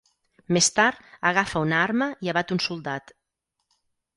Més tard, agafa una arma i abat un soldat.